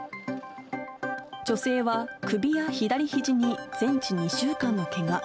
女性は首や左ひじに全治２週間のけが。